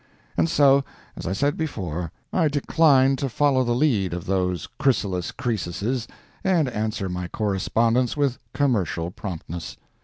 And so, as I said before, I decline to follow the lead of those chrysalis Croesuses and answer my correspondents with commercial promptness.